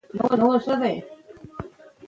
مورنۍ ژبه په زده کړه کې هېڅ ډول ستونزه نه جوړوي.